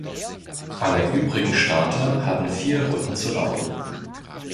Alle übrigen Starter hatten vier Runden zu laufen.